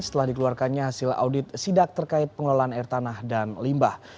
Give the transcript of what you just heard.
setelah dikeluarkannya hasil audit sidak terkait pengelolaan air tanah dan limbah